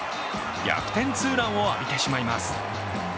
逆転ツーランを浴びてしまいます。